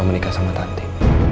aku mau menikah sama tanti